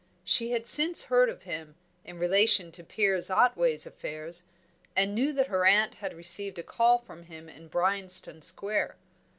She had since heard of him, in relation to Piers Otway's affairs, and knew that her aunt had received a call from him in Bryanston Square.